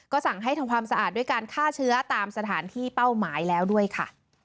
สั่งให้ทำความสะอาดด้วยการฆ่าเชื้อตามสถานที่เป้าหมายแล้วด้วยค่ะ